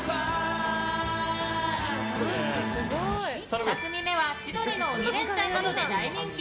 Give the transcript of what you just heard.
２組目は「千鳥の鬼レンチャン」などで大人気。